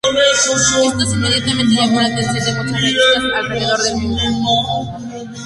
Esto inmediatamente llamó la atención de muchas revistas alrededor del mundo.